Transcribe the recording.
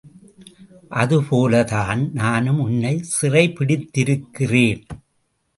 அதே போலத் தான் நானும் உன்னைச் சிறைப்பிடித்திருக்கிறேன்.